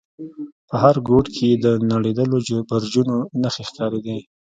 په هر گوټ کښې يې د نړېدلو برجونو نخښې ښکارېدې.